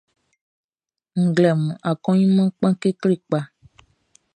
Nglɛmunʼn, akɔɲinmanʼn kpan kekle kpa.